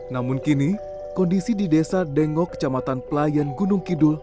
namun kini kondisi di desa dengo kecamatan pelayan gunung kidul